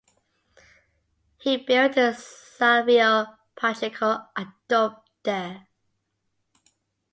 He built the Salvio Pacheco Adobe there.